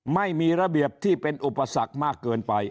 ไม่มีระเบียบที่เป็นอุปสรรคมากเกินไป